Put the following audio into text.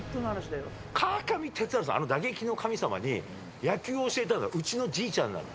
川上哲治さん、あの打撃の神様に野球を教えたのは、うちのじいちゃんなの。